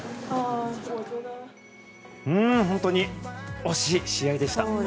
本当に惜しい試合でした。